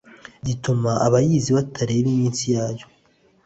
gituma abayizi batareba iminsi yayo